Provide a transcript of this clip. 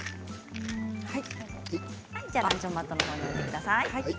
ランチョンマットの方に置いてください。